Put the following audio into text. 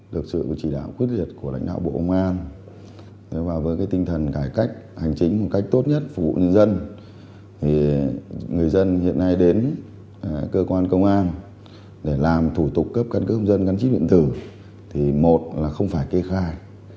được sự chỉ đạo quyết liệt của lãnh đạo bộ công an và với tinh thần cải cách hành chính một cách tốt nhất phục vụ nhân dân người dân hiện nay đến cơ quan công an để làm thủ tục cấp căn cước công dân gắn chip điện tử thì một là không phải kê khai